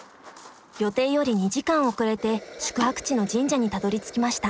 予定より２時間遅れて宿泊地の神社にたどりつきました。